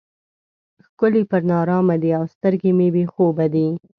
ښکلي پر نارامه دي او سترګې مې بې خوبه دي.